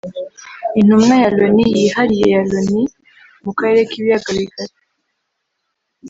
Intumwa ya Loni yihariye ya Loni mu Karere k’Ibiyaga bigari